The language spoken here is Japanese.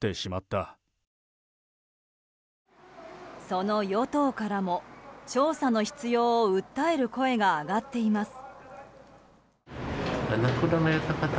その与党からも、調査の必要を訴える声が上がっています。